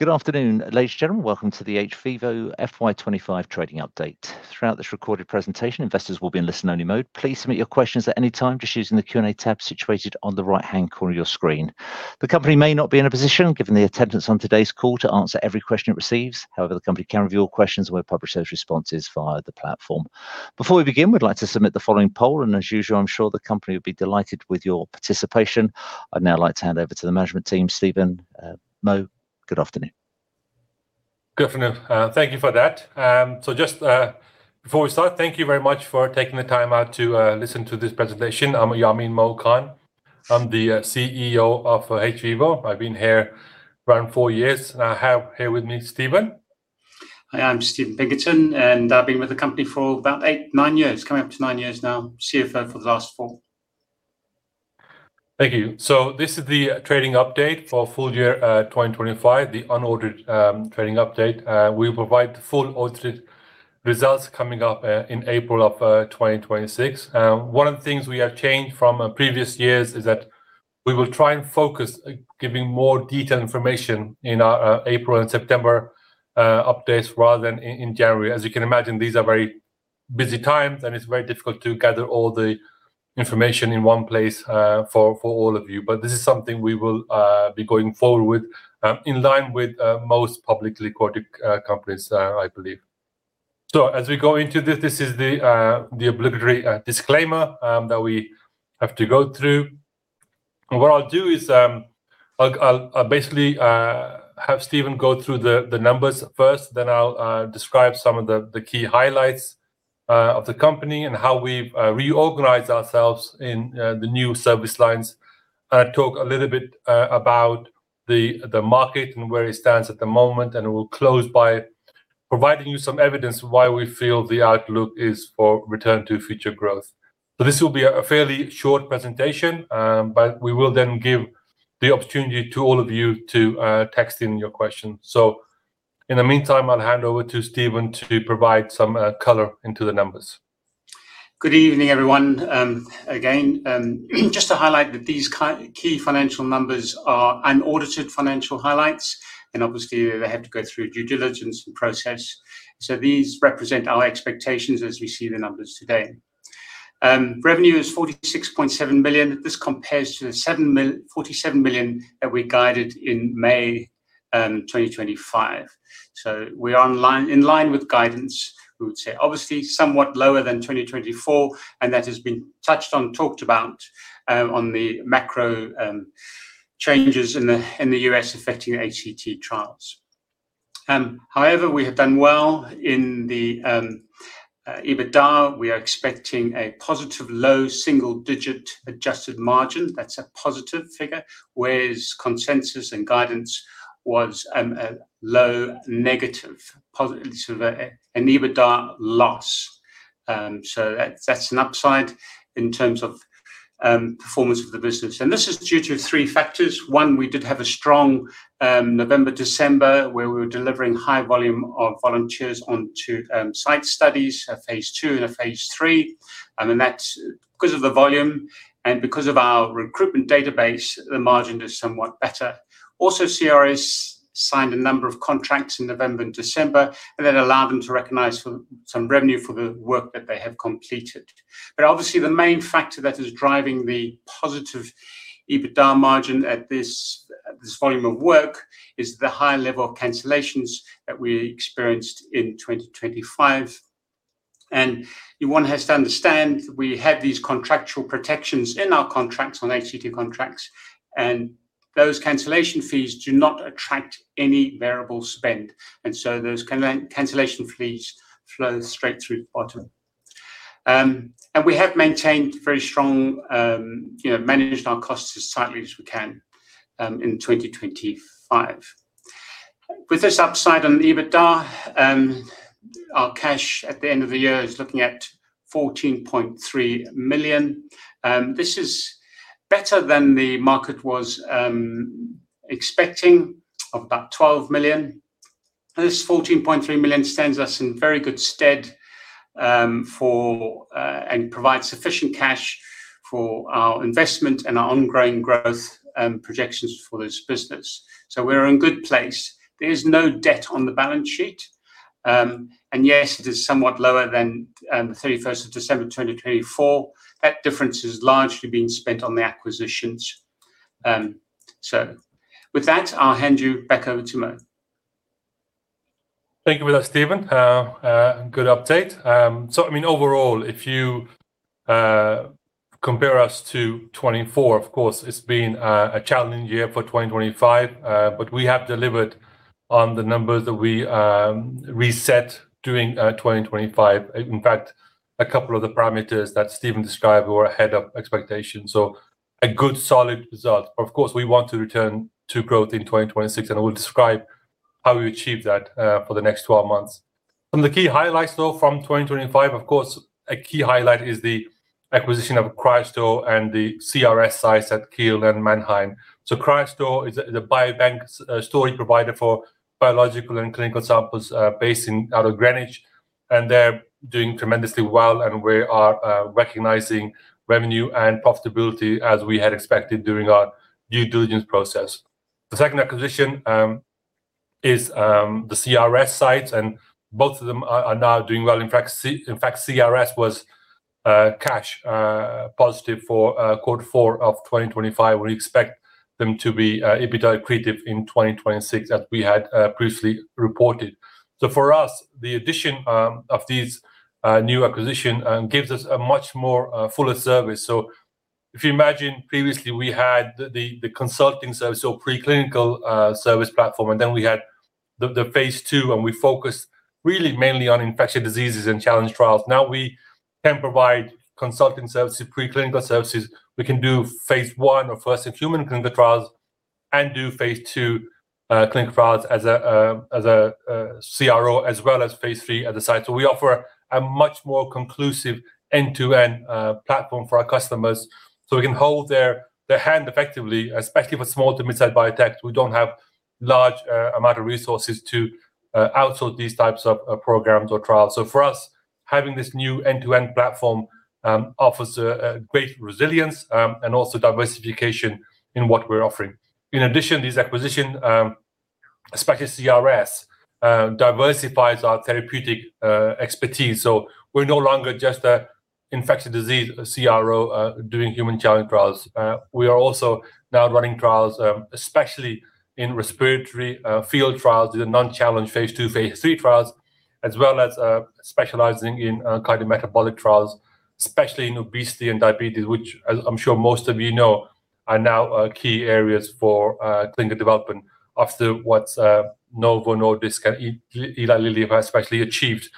Good afternoon, ladies and gentlemen. Welcome to the hVIVO FY 25 trading update. Throughout this recorded presentation, investors will be in listen-only mode. Please submit your questions at any time just using the Q&A tab situated on the right-hand corner of your screen. The company may not be in a position, given the attendance on today's call, to answer every question it receives. However, the company can review all questions and will publish those responses via the platform. Before we begin, we'd like to submit the following poll, and as usual, I'm sure the company will be delighted with your participation. I'd now like to hand over to the management team. Stephen, Mo, good afternoon. Good afternoon. Thank you for that. So just before we start, thank you very much for taking the time out to listen to this presentation. I'm Yamin 'Mo' Khan. I'm the CEO of hVIVO. I've been here around four years, and I have here with me, Stephen. Hi, I'm Stephen Pinkerton, and I've been with the company for about 8, 9 years, coming up to nine years now, CFO for the last four. Thank you. So this is the trading update for full year 2025, the unaudited trading update. We will provide the full audited results coming up in April of 2026. One of the things we have changed from previous years is that we will try and focus on giving more detailed information in our April and September updates, rather than in January. As you can imagine, these are very busy times, and it's very difficult to gather all the information in one place for all of you. But this is something we will be going forward with in line with most publicly quoted companies, I believe. So as we go into this, this is the obligatory disclaimer that we have to go through. What I'll do is, I'll basically have Stephen go through the numbers first, then I'll describe some of the key highlights of the company and how we've reorganized ourselves in the new service lines. Talk a little bit about the market and where it stands at the moment, and we'll close by providing you some evidence of why we feel the outlook is for return to future growth. This will be a fairly short presentation, but we will then give the opportunity to all of you to text in your questions. In the meantime, I'll hand over to Stephen to provide some color into the numbers. Good evening, everyone. Again, just to highlight that these key financial numbers are unaudited financial highlights, and obviously, they have to go through due diligence and process. So these represent our expectations as we see the numbers today. Revenue is 46.7 billion. This compares to the 47 billion that we guided in May 2025. So we are in line, in line with guidance. We would say obviously somewhat lower than 2024, and that has been touched on, talked about on the macro changes in the US affecting HCT trials. However, we have done well in the EBITDA. We are expecting a positive low single-digit adjusted margin. That's a positive figure, whereas consensus and guidance was a low negative, so an EBITDA loss. So that, that's an upside in terms of, performance of the business, and this is due to three factors. One, we did have a strong, November, December, where we were delivering high volume of volunteers onto, site studies, a phase II and a phase III. And then that's because of the volume and because of our recruitment database, the margin is somewhat better. Also, CRS signed a number of contracts in November and December, and that allowed them to recognize for some revenue for the work that they have completed. But obviously, the main factor that is driving the positive EBITDA margin at this, this volume of work is the high level of cancellations that we experienced in 2025. And one has to understand, we have these contractual protections in our contracts, on HCT contracts, and those cancellation fees do not attract any variable spend, and so those cancellation fees flow straight through to the bottom. And we have maintained very strong, you know, managed our costs as tightly as we can, in 2025. With this upside on EBITDA, our cash at the end of the year is looking at 14.3 million. This is better than the market was expecting of about 12 million. This 14.3 million stands us in very good stead, for, and provides sufficient cash for our investment and our ongoing growth projections for this business. So we're in good place. There is no debt on the balance sheet. Yes, it is somewhat lower than the 31 December 2024. That difference has largely been spent on the acquisitions. With that, I'll hand you back over to Mo. Thank you for that, Stephen. Good update. So I mean, overall, if you compare us to 2024, of course, it's been a challenging year for 2025, but we have delivered on the numbers that we set during 2025. In fact, a couple of the parameters that Stephen described were ahead of expectation, so a good, solid result. Of course, we want to return to growth in 2026, and I will describe how we achieve that for the next 12 months. The key highlights, though, from 2025, of course, a key highlight is the acquisition of Cryostore and the CRS sites at Kiel and Mannheim. So Cryostore is a biobank storage provider for biological and clinical samples, based out of Greenwich. And they're doing tremendously well, and we are recognizing revenue and profitability as we had expected during our due diligence process. The second acquisition is the CRS sites, and both of them are now doing well. In fact, CRS was cash positive for quarter four of 2025. We expect them to be EBITDA accretive in 2026, as we had previously reported. So for us, the addition of these new acquisition gives us a much more fuller service. So if you imagine previously we had the consulting service, so preclinical service platform, and then we had the phase 2, and we focused really mainly on infectious diseases and challenge trials. Now we can provide consulting services, preclinical services. We can do phase I or first-in-human clinical trials and do phase II clinical trial as a CRO, as well as phase III at the site. So we offer a much more conclusive end-to-end platform for our customers, so we can hold their hand effectively, especially for small to mid-sized biotech, who don't have large amount of resources to outsource these types of programs or trials. So for us, having this new end-to-end platform offers a great resilience and also diversification in what we're offering. In addition, this acquisition, especially CRS, diversifies our therapeutic expertise. So we're no longer just an infectious disease CRO doing human challenge trials. We are also now running trials, especially in respiratory field trials, the non-challenge phase II, phase III trials, as well as specializing in cardiometabolic trials, especially in obesity and diabetes, which, as I'm sure most of you know, are now key areas for clinical development after what Novo Nordisk and Eli Lilly have especially achieved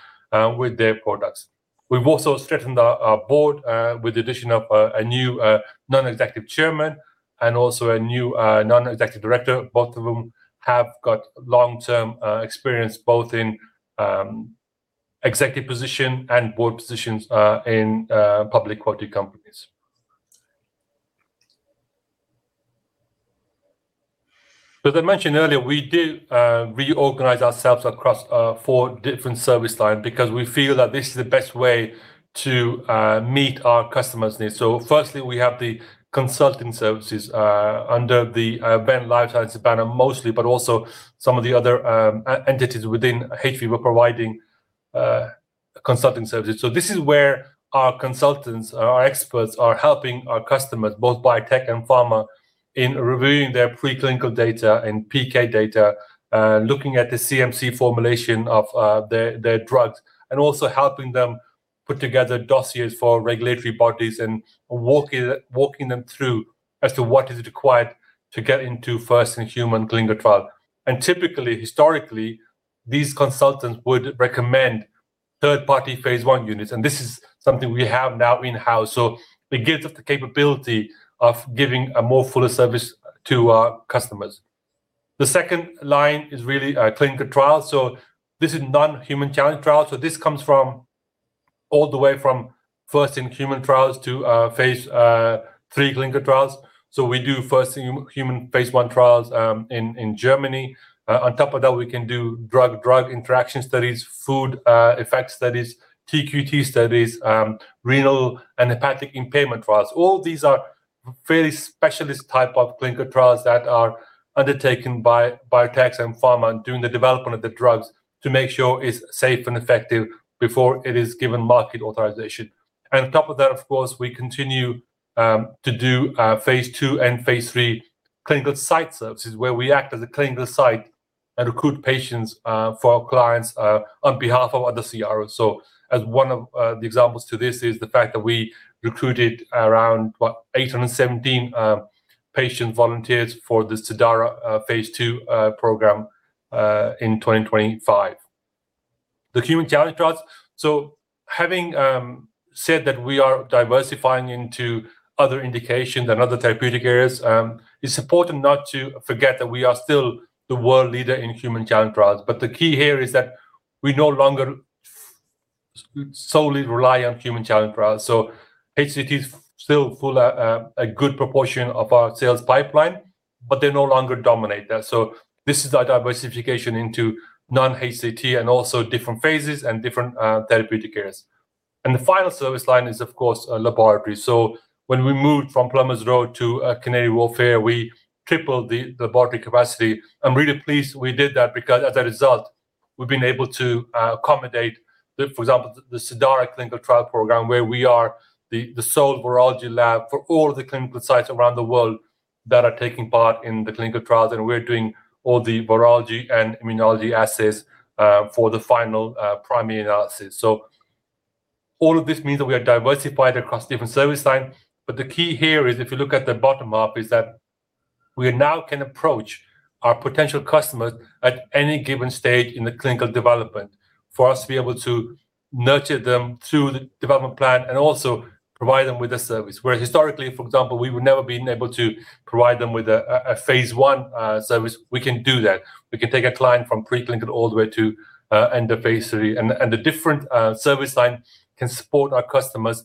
with their products. We've also strengthened our board with the addition of a new non-executive chairman and also a new non-executive director. Both of whom have got long-term experience, both in executive position and board positions in public quality companies. As I mentioned earlier, we did reorganize ourselves across four different service lines because we feel that this is the best way to meet our customers' needs. So firstly, we have the consulting services under the Venn Life Sciences banner mostly, but also some of the other entities within hVIVO. We're providing consulting services. So this is where our consultants, our experts, are helping our customers, both biotech and pharma, in reviewing their preclinical data and PK data, looking at the CMC formulation of their drugs, and also helping them put together dossiers for regulatory bodies and walking them through as to what is required to get into first-in-human clinical trial. And typically, historically, these consultants would recommend third-party phase I units, and this is something we have now in-house. So it gives us the capability of giving a more fuller service to our customers. The second line is really clinical trials, so this is non-human challenge trials. So this comes from... All the way from first-in-human trials to phase III clinical trials. So we do first-in-human phase one trials in Germany. On top of that, we can do drug-drug interaction studies, food effects studies, TQT studies, renal and hepatic impairment trials. All these are fairly specialist type of clinical trials that are undertaken by biotechs and pharma and doing the development of the drugs to make sure it's safe and effective before it is given market authorization. On top of that, of course, we continue to do phase two and phase three clinical site services, where we act as a clinical site and recruit patients for our clients on behalf of other CROs. So as one of the examples to this is the fact that we recruited around 817 patient volunteers for the Cidara phase II program in 2025. The human challenge trials. So having said that we are diversifying into other indications and other therapeutic areas, it's important not to forget that we are still the world leader in human challenge trials, but the key here is that we no longer solely rely on human challenge trials. So HCT is still a good proportion of our sales pipeline, but they no longer dominate that. So this is our diversification into non-HCT and also different phases and different therapeutic areas. And the final service line is, of course, a laboratory. So when we moved from Plumbers Row to Canary Wharf, we tripled the laboratory capacity. I'm really pleased we did that because as a result, we've been able to accommodate the, for example, the Cidara clinical trial program, where we are the sole virology lab for all of the clinical sites around the world that are taking part in the clinical trials, and we're doing all the virology and immunology assays for the final primary analysis. So all of this means that we are diversified across different service lines, but the key here is, if you look at the bottom up, is that we now can approach our potential customers at any given stage in the clinical development. For us to be able to nurture them through the development plan and also provide them with a service, where historically, for example, we would never been able to provide them with a phase I service. We can do that. We can take a client from preclinical all the way to end of phase III, and the different service line can support our customers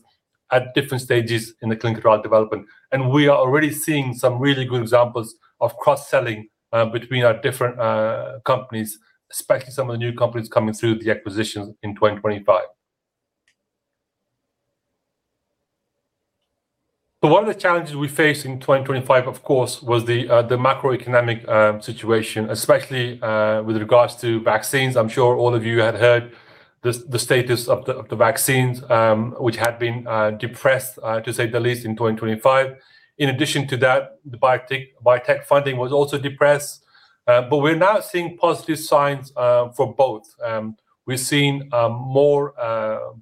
at different stages in the clinical trial development. We are already seeing some really good examples of cross-selling between our different companies, especially some of the new companies coming through the acquisitions in 2025. But one of the challenges we faced in 2025, of course, was the macroeconomic situation, especially with regards to vaccines. I'm sure all of you had heard the status of the vaccines, which had been depressed, to say the least, in 2025. In addition to that, the biotech funding was also depressed, but we're now seeing positive signs for both. We're seeing more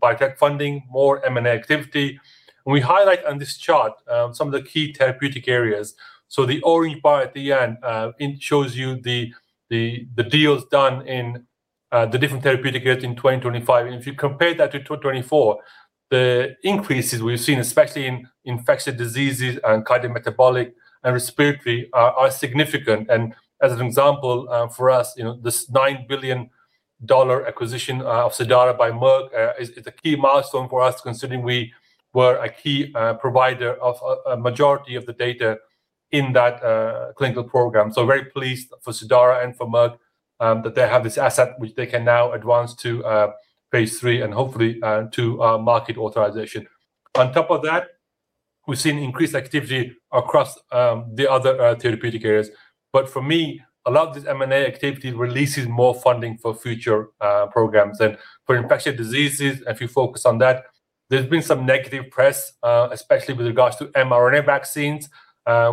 biotech funding, more M&A activity. We highlight on this chart some of the key therapeutic areas. So the orange bar at the end it shows you the deals done in the different therapeutic areas in 2025. And if you compare that to 2024, the increases we've seen, especially in infectious diseases and cardiometabolic and respiratory, are significant. And as an example, for us, you know, this $9 billion acquisition of Cidara by Merck is a key milestone for us, considering we were a key provider of a majority of the data in that clinical program. So very pleased for Cidara and for Merck that they have this asset, which they can now advance to phase III and hopefully to market authorization. On top of that, we've seen increased activity across the other therapeutic areas. But for me, a lot of this M&A activity releases more funding for future programs. And for infectious diseases, if you focus on that, there's been some negative press, especially with regards to mRNA vaccines,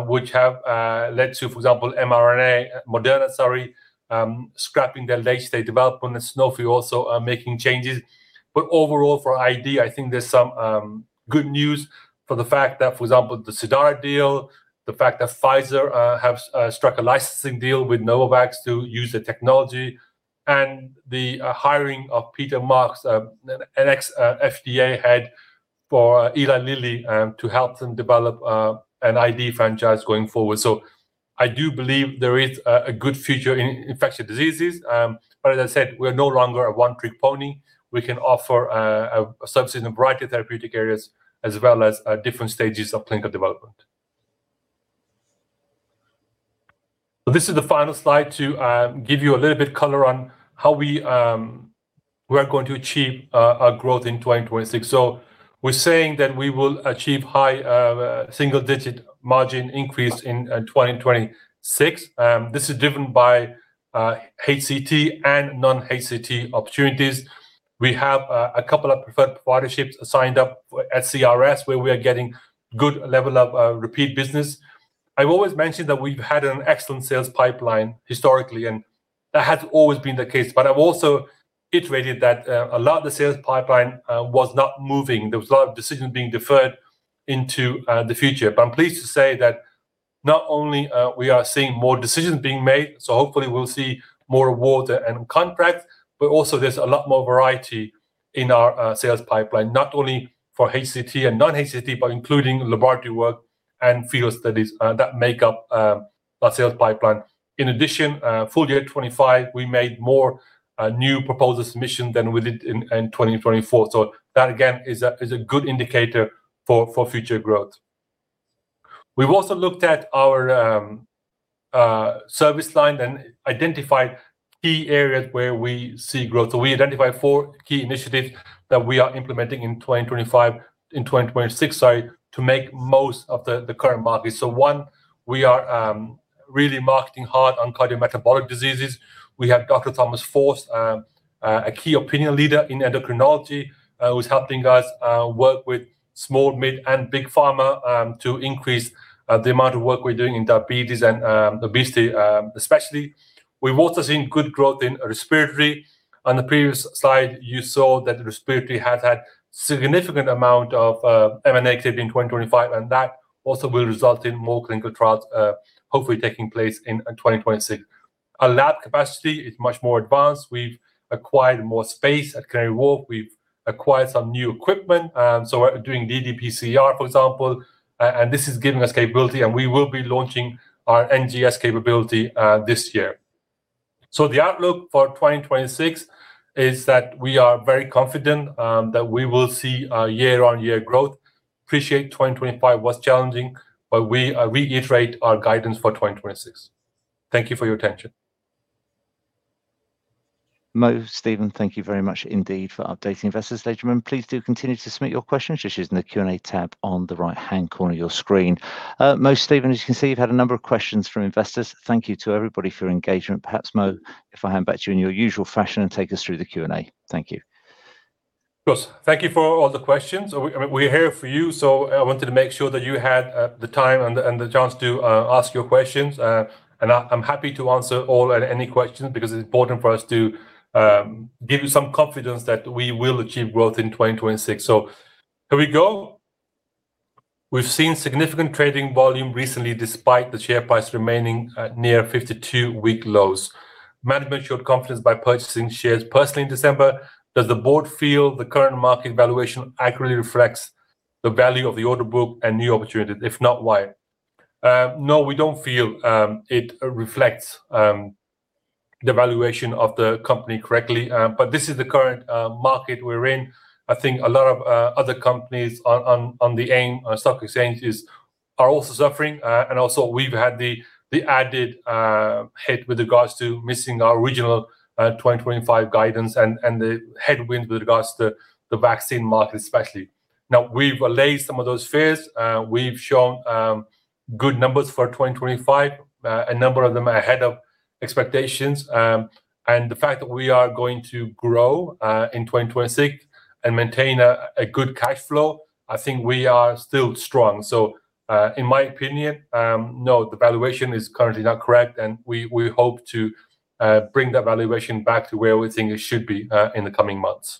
which have led to, for example, mRNA, Moderna, sorry, scrapping their late-stage development, and Sanofi also are making changes. But overall, for ID, I think there's some good news for the fact that, for example, the Cidara deal, the fact that Pfizer have struck a licensing deal with Novavax to use the technology, and the hiring of Peter Marks, an ex-FDA head, for Eli Lilly, to help them develop an ID franchise going forward. So I do believe there is a good future in infectious diseases, but as I said, we're no longer a one-trick pony. We can offer a substantive variety of therapeutic areas, as well as different stages of clinical development. This is the final slide to give you a little bit color on how we're going to achieve our growth in 2026. So we're saying that we will achieve high single-digit margin increase in 2026. This is driven by HCT and non-HCT opportunities. We have a couple of preferred partnerships signed up at CRS, where we are getting good level of repeat business. I've always mentioned that we've had an excellent sales pipeline historically, and that has always been the case. But I've also iterated that a lot of the sales pipeline was not moving. There was a lot of decisions being deferred into the future. But I'm pleased to say that not only we are seeing more decisions being made, so hopefully, we'll see more awards and contracts, but also there's a lot more variety in our sales pipeline, not only for HCT and non-HCT, but including laboratory work and field studies that make up our sales pipeline. In addition, full year 2025, we made more new proposal submission than we did in 2024. So that, again, is a good indicator for future growth. We've also looked at our service line and identified key areas where we see growth. So we identified four key initiatives that we are implementing in 2025, in 2026, sorry, to make most of the current market. So one, we are really marketing hard on cardiometabolic diseases. We have Dr. Thomas Forst, a key opinion leader in endocrinology, who's helping us work with small, mid, and big pharma to increase the amount of work we're doing in diabetes and obesity, especially. We've also seen good growth in respiratory. On the previous slide, you saw that respiratory has had significant amount of M&A activity in 2025, and that also will result in more clinical trials, hopefully taking place in 2026. Our lab capacity is much more advanced. We've acquired more space at Canary Wharf. We've acquired some new equipment, so we're doing ddPCR, for example, and this is giving us capability, and we will be launching our NGS capability, this year. So the outlook for 2026 is that we are very confident, that we will see a year-on-year growth. Appreciate 2025 was challenging, but we, reiterate our guidance for 2026. Thank you for your attention. Mo, Stephen, thank you very much indeed for updating investors. Ladies and gentlemen, please do continue to submit your questions just using the Q&A tab on the right-hand corner of your screen. Mo, Stephen, as you can see, you've had a number of questions from investors. Thank you to everybody for your engagement. Perhaps, Mo, if I hand back to you in your usual fashion and take us through the Q&A. Thank you. Of course. Thank you for all the questions. We, we're here for you, so I wanted to make sure that you had, the time and the, and the chance to, ask your questions. And I, I'm happy to answer all and any questions because it's important for us to, give you some confidence that we will achieve growth in 2026. So here we go. We've seen significant trading volume recently, despite the share price remaining, near 52-week lows. Management showed confidence by purchasing shares personally in December. Does the board feel the current market valuation accurately reflects the value of the order book and new opportunities? If not, why? No, we don't feel, it reflects the valuation of the company correctly, but this is the current market we're in. I think a lot of other companies on the AIM, on stock exchanges, are also suffering. And also we've had the added hit with regards to missing our original 2025 guidance and the headwinds with regards to the vaccine market, especially. Now, we've allayed some of those fears. We've shown good numbers for 2025, a number of them are ahead of expectations, and the fact that we are going to grow in 2026 and maintain a good cash flow, I think we are still strong. So, in my opinion, no, the valuation is currently not correct, and we hope to bring that valuation back to where we think it should be in the coming months.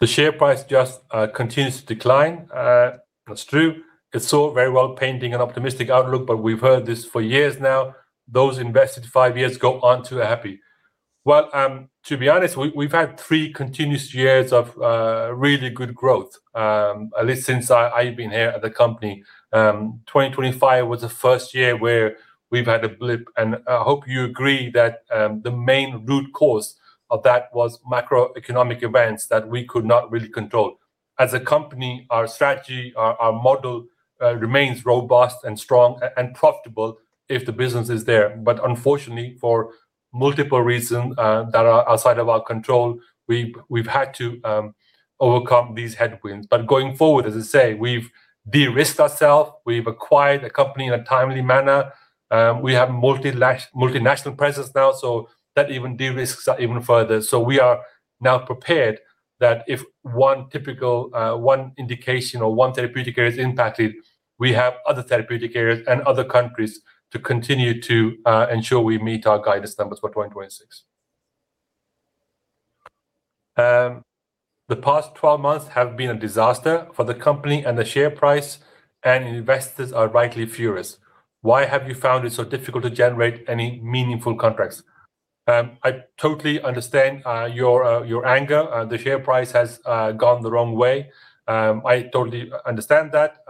The share price just continues to decline. That's true. It's all very well, painting an optimistic outlook, but we've heard this for years now. Those invested five years ago aren't too happy. Well, to be honest, we've had three continuous years of really good growth, at least since I've been here at the company. 2025 was the first year where we've had a blip, and I hope you agree that the main root cause of that was macroeconomic events that we could not really control. As a company, our strategy, our model remains robust and strong and profitable if the business is there. But unfortunately, for multiple reasons that are outside of our control, we've had to overcome these headwinds. But going forward, as I say, we've de-risked ourself, we've acquired a company in a timely manner, we have multinational presence now, so that even de-risks us even further. So we are now prepared that if one typical, one indication or one therapeutic area is impacted, we have other therapeutic areas and other countries to continue to ensure we meet our guidance numbers for 2026. The past twelve months have been a disaster for the company and the share price, and investors are rightly furious. Why have you found it so difficult to generate any meaningful contracts? I totally understand your anger. The share price has gone the wrong way. I totally understand that,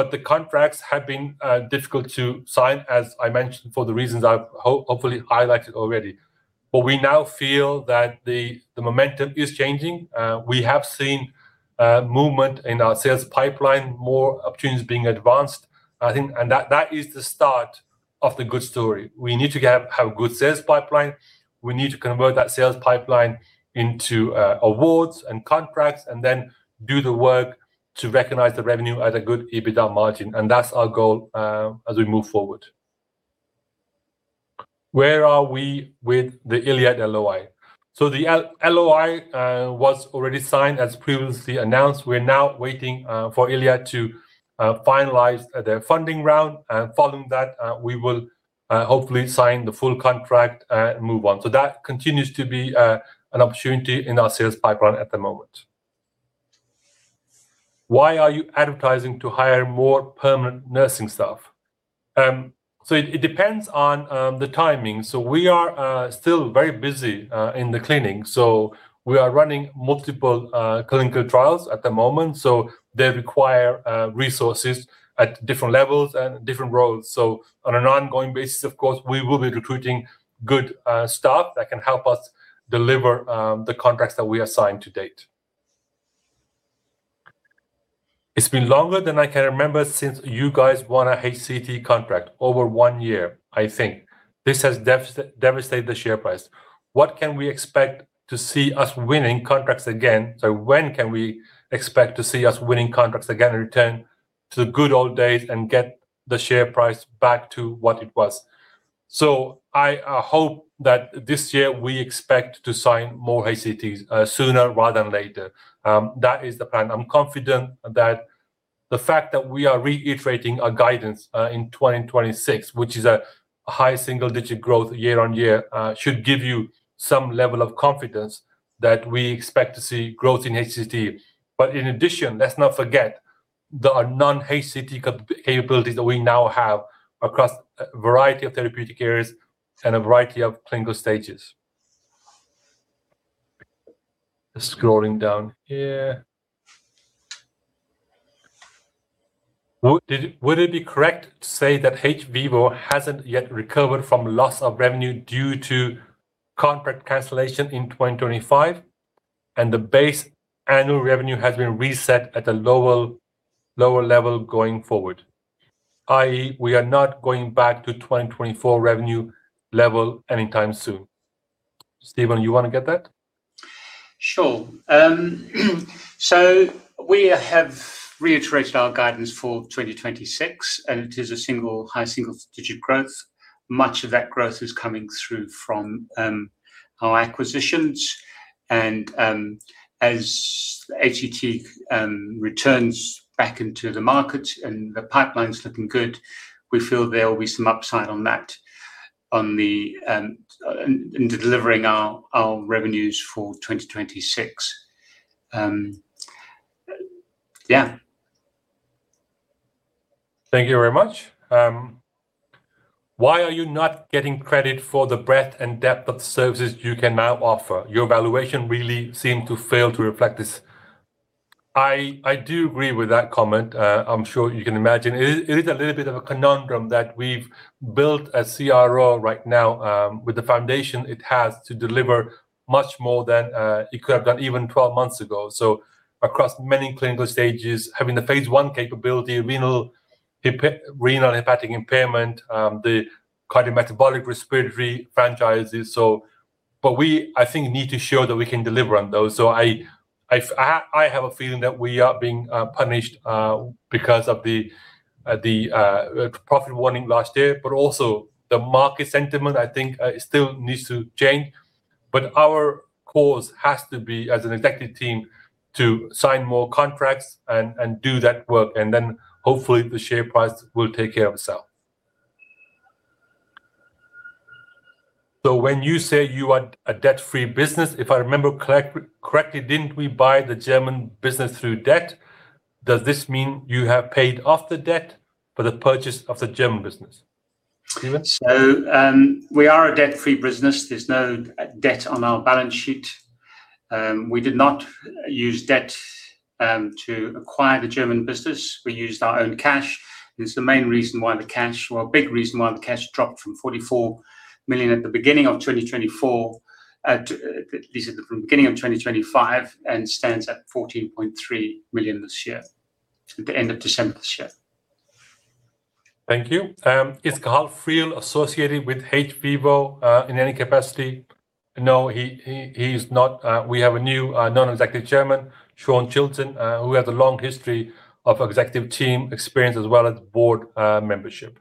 but the contracts have been difficult to sign, as I mentioned, for the reasons I've hopefully highlighted already. But we now feel that the momentum is changing. We have seen movement in our sales pipeline, more opportunities being advanced, I think, and that is the start of the good story. We need to have a good sales pipeline. We need to convert that sales pipeline into awards and contracts, and then do the work to recognize the revenue at a good EBITDA margin, and that's our goal as we move forward. Where are we with the Iliad LOI? So the LOI was already signed as previously announced. We're now waiting for Iliad to finalize their funding round, and following that, we will hopefully sign the full contract and move on. So that continues to be an opportunity in our sales pipeline at the moment. Why are you advertising to hire more permanent nursing staff? So it depends on the timing. So we are still very busy in the clinic. So we are running multiple clinical trials at the moment, so they require resources at different levels and different roles. So on an ongoing basis, of course, we will be recruiting good staff that can help us deliver the contracts that we are signed to date. It's been longer than I can remember since you guys won a HCT contract, over one year, I think. This has devastated the share price. What can we expect to see us winning contracts again? So when can we expect to see us winning contracts again and return to the good old days and get the share price back to what it was? I hope that this year we expect to sign more HCT sooner rather than later. That is the plan. I'm confident that the fact that we are reiterating our guidance in 2026, which is a high single-digit growth year on year, should give you some level of confidence that we expect to see growth in HCT. But in addition, let's not forget, there are non-HCT capabilities that we now have across a variety of therapeutic areas and a variety of clinical stages. Scrolling down here. Would it be correct to say that hVIVO hasn't yet recovered from loss of revenue due to contract cancellation in 2025, and the base annual revenue has been reset at a lower, lower level going forward, i.e., we are not going back to 2024 revenue level anytime soon? Stephen, you want to get that? Sure. So we have reiterated our guidance for 2026, and it is a single, high single-digit growth. Much of that growth is coming through from our acquisitions, and as HCT returns back into the market and the pipeline is looking good, we feel there will be some upside on that, on the in delivering our, our revenues for 2026. Yeah. Thank you very much. Why are you not getting credit for the breadth and depth of services you can now offer? Your valuation really seemed to fail to reflect this. I do agree with that comment. I'm sure you can imagine. It is a little bit of a conundrum that we've built a CRO right now, with the foundation it has to deliver much more than it could have done even 12 months ago. So across many clinical stages, having the phase one capability, renal and hepatic impairment, the cardiometabolic respiratory franchises. But we, I think, need to show that we can deliver on those. So I have a feeling that we are being punished because of the profit warning last year, but also the market sentiment, I think, it still needs to change. But our course has to be, as an executive team, to sign more contracts and do that work, and then hopefully the share price will take care of itself. So when you say you are a debt-free business, if I remember correctly, didn't we buy the German business through debt? Does this mean you have paid off the debt for the purchase of the German business? Stephen? We are a debt-free business. There's no debt on our balance sheet. We did not use debt to acquire the German business. We used our own cash. It's the main reason why the cash... Well, a big reason why the cash dropped from 44 million at the beginning of 2024, at, this, is from the beginning of 2025, and stands at 14.3 million this year, at the end of December this year. Thank you. Is Cathal Friel associated with hVIVO, in any capacity? No, he, he's not. We have a new Non-Executive Chairman, Shaun Chilton, who has a long history of executive team experience as well as board membership.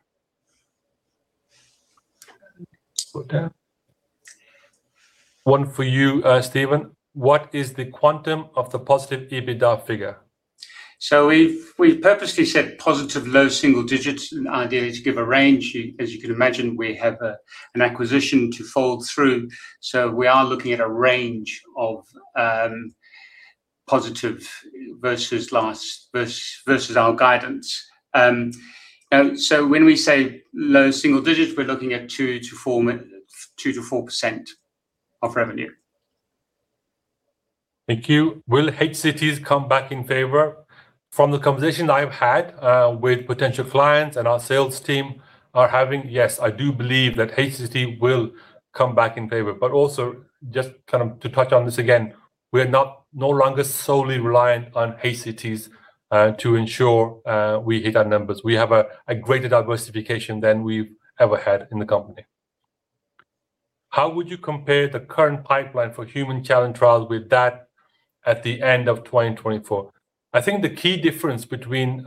One for you, Stephen. What is the quantum of the positive EBITDA figure? So we've purposely said positive low double digits, and ideally, to give a range. As you can imagine, we have an acquisition to fold through, so we are looking at a range of positive versus our guidance. So when we say low single digits, we're looking at 2%-4% of revenue. Thank you. Will HCT come back in favor? From the conversation I've had, with potential clients and our sales team are having, yes, I do believe that HCT will come back in favor. But also, just kind of to touch on this again, we're no longer solely reliant on HCT to ensure we hit our numbers. We have a greater diversification than we've ever had in the company. How would you compare the current pipeline for human challenge trials with that at the end of 2024? I think the key difference between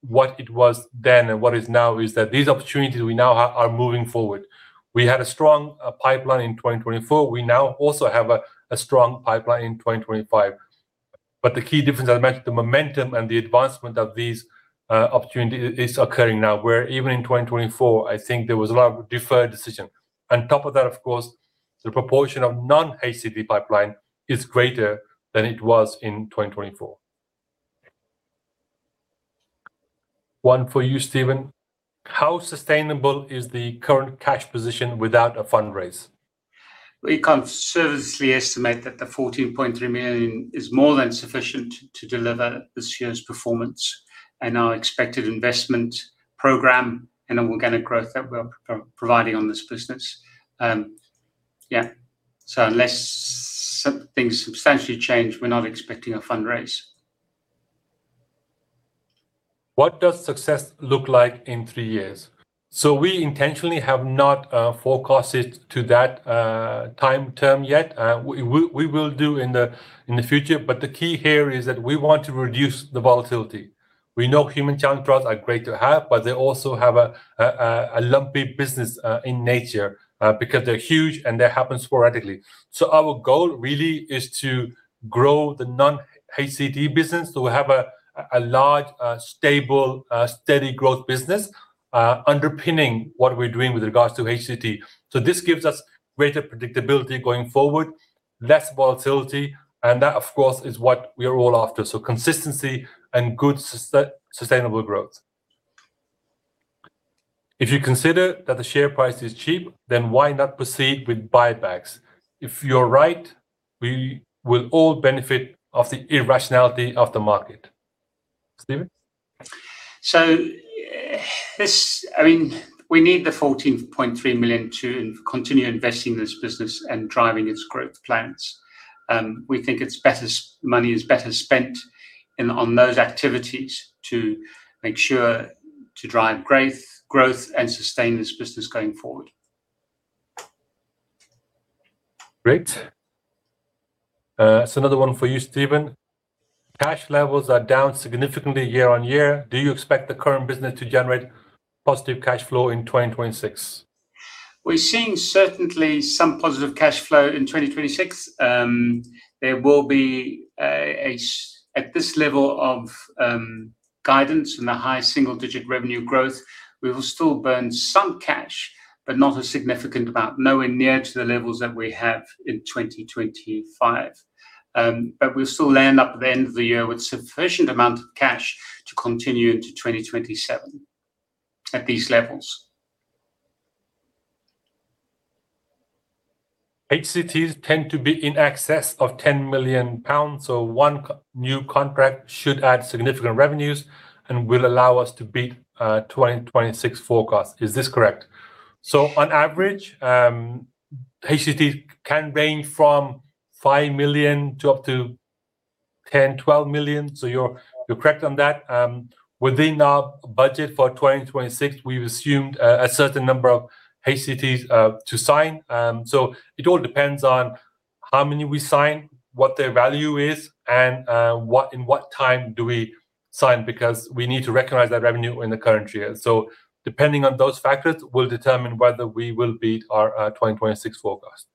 what it was then and what is now is that these opportunities we now have are moving forward. We had a strong pipeline in 2024. We now also have a strong pipeline in 2025. But the key difference, as I mentioned, the momentum and the advancement of these opportunities is occurring now, where even in 2024, I think there was a lot of deferred decision. On top of that, of course, the proportion of non-HCT pipeline is greater than it was in 2024. One for you, Stephen. How sustainable is the current cash position without a fundraise? We can conservatively estimate that the 14.3 million is more than sufficient to deliver this year's performance and our expected investment program and the organic growth that we are providing on this business. Yeah, so unless some things substantially change, we're not expecting a fundraise. What does success look like in three years? So we intentionally have not forecasted to that time term yet. We will do in the future, but the key here is that we want to reduce the volatility. We know human challenge trials are great to have, but they also have a lumpy business in nature because they're huge, and they happen sporadically. So our goal really is to grow the non-HCT business, so we have a large stable steady growth business underpinning what we're doing with regards to HCT. So this gives us greater predictability going forward, less volatility, and that, of course, is what we are all after. So consistency and good sustainable growth. If you consider that the share price is cheap, then why not proceed with buybacks? If you're right, we will all benefit of the irrationality of the market. Stephen? I mean, we need the 14.3 million to continue investing in this business and driving its growth plans. We think it's better money is better spent in, on those activities to make sure to drive growth, growth and sustain this business going forward. Great. So another one for you, Stephen. Cash levels are down significantly year-on-year. Do you expect the current business to generate positive cash flow in 2026? We're seeing certainly some positive cash flow in 2026. There will be at this level of guidance and the high single-digit revenue growth, we will still burn some cash, but not a significant amount, nowhere near to the levels that we have in 2025. But we'll still land up at the end of the year with sufficient amount of cash to continue into 2027 at these levels. HCTs tend to be in excess of 10 million pounds, so one new contract should add significant revenues and will allow us to beat 2026 forecast. Is this correct? So on average, HCT can range from 5 million to up to 10-12 million. So you're, you're correct on that. Within our budget for 2026, we've assumed a certain number of HCTs to sign. So it all depends on how many we sign, what their value is, and in what time do we sign, because we need to recognize that revenue in the current year. So depending on those factors, will determine whether we will beat our 2026 forecast.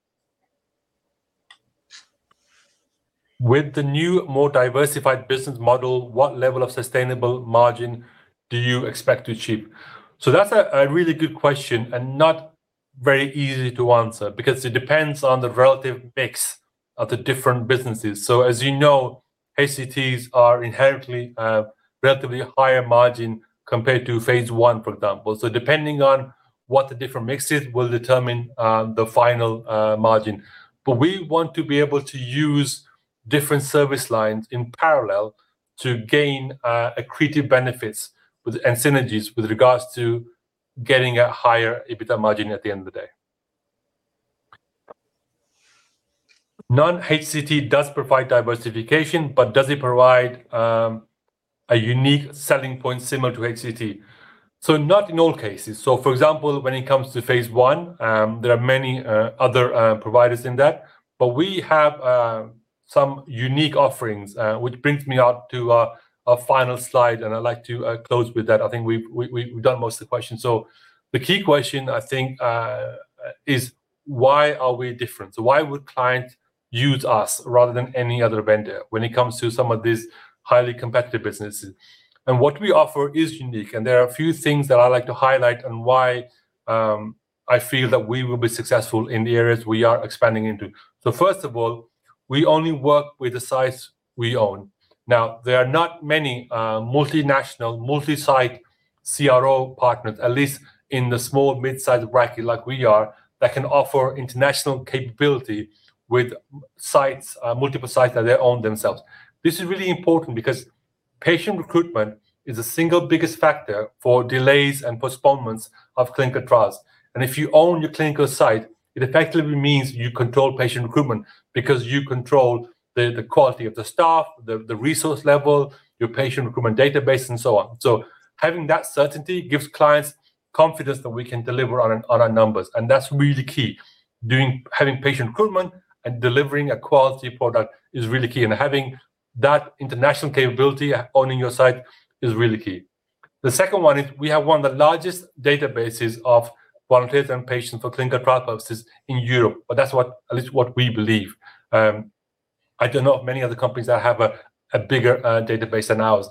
With the new, more diversified business model, what level of sustainable margin do you expect to achieve? So that's a really good question and not very easy to answer because it depends on the relative mix of the different businesses. So as you know, HCT are inherently relatively higher margin compared to phase one, for example. So depending on what the different mix is, will determine the final margin. But we want to be able to use different service lines in parallel to gain accretive benefits with and synergies with regards to getting a higher EBITDA margin at the end of the day. Non-HCT does provide diversification, but does it provide a unique selling point similar to HCT? So not in all cases. So for example, when it comes to phase I, there are many other providers in that. We have some unique offerings, which brings me out to our final slide, and I'd like to close with that. I think we've done most of the questions. The key question, I think, is, why are we different? Why would clients use us rather than any other vendor when it comes to some of these highly competitive businesses? What we offer is unique, and there are a few things that I like to highlight on why I feel that we will be successful in the areas we are expanding into. First of all, we only work with the sites we own. Now, there are not many multinational, multi-site CRO partners, at least in the small, mid-size bracket like we are, that can offer international capability with sites, multiple sites that they own themselves. This is really important because patient recruitment is the single biggest factor for delays and postponements of clinical trials. And if you own your clinical site, it effectively means you control patient recruitment because you control the quality of the staff, the resource level, your patient recruitment database, and so on. So having that certainty gives clients confidence that we can deliver on our numbers, and that's really key. Having patient recruitment and delivering a quality product is really key, and having that international capability and owning your site is really key. The second one is, we have one of the largest databases of volunteers and patients for clinical trial purposes in Europe, but that's, at least what we believe. I don't know of many other companies that have a bigger database than ours.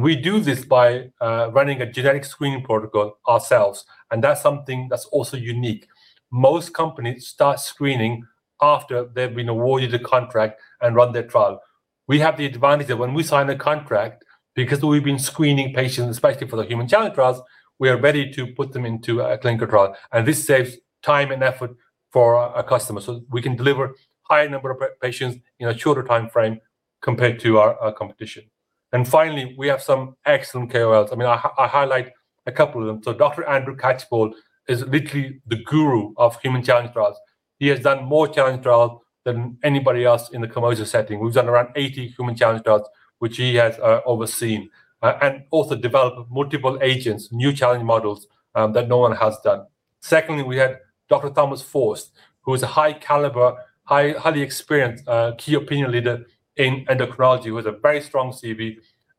We do this by running a genetic screening protocol ourselves, and that's something that's also unique. Most companies start screening after they've been awarded a contract and run their trial. We have the advantage that when we sign a contract, because we've been screening patients, especially for the human challenge trials, we are ready to put them into a clinical trial, and this saves time and effort for our customers. So we can deliver higher number of patients in a shorter time frame compared to our competition. And finally, we have some excellent KOLs. I mean, I highlight a couple of them. So Dr. Andrew Catchpole is literally the guru of human challenge trials. He has done more challenge trials than anybody else in the commercial setting. We've done around 80 human challenge trials, which he has overseen, and also developed multiple agents, new challenge models, that no one has done. Secondly, we had Dr. Thomas Forst, who is a high caliber, highly experienced key opinion leader in endocrinology, with a very strong CV,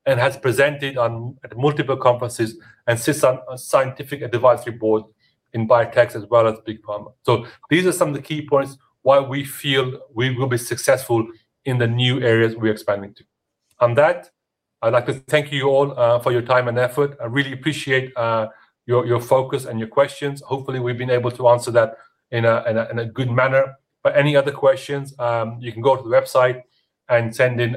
and has presented at multiple conferences and sits on a scientific advice board in biotechs as well as big pharma. So these are some of the key points why we feel we will be successful in the new areas we're expanding to. On that, I'd like to thank you all for your time and effort. I really appreciate your focus and your questions. Hopefully, we've been able to answer that in a good manner. Any other questions, you can go to the website and send in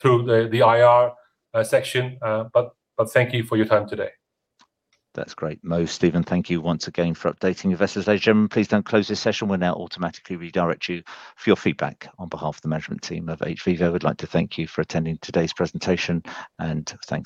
through the IR section, but thank you for your time today. That's great. Mo, Stephen, thank you once again for updating your investors. Ladies and gentlemen, please don't close this session. We'll now automatically redirect you for your feedback. On behalf of the management team of hVIVO, we'd like to thank you for attending today's presentation and thank-